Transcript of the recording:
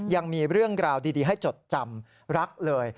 ยังมีเรื่องราวดีให้จดจำรักเลย